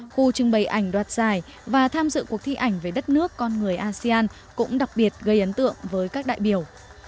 khu trưng bày ảnh đoạt giải và tham dự cuộc thi ảnh về đất nước con người asean cũng đặc biệt gây ấn tượng với các đại biểu